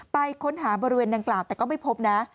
ไปค้นหาบริเวณดังกล่าวแต่ก็ไม่พบนะ